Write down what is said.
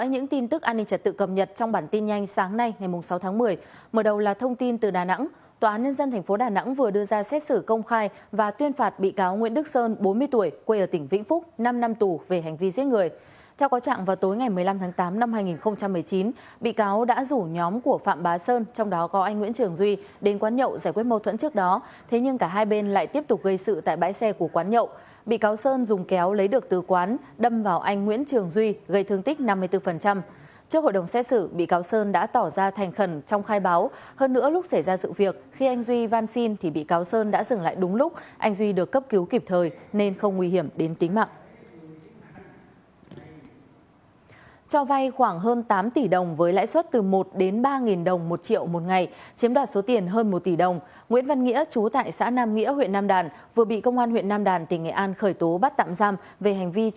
hãy đăng ký kênh để ủng hộ kênh của chúng mình nhé